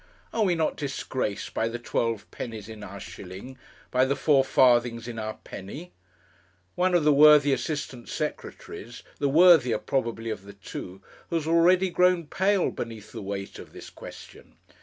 Are we not disgraced by the twelve pennies in our shilling, by the four farthings in our penny? One of the worthy assistant secretaries, the worthier probably of the two, has already grown pale beneath the weight of this question.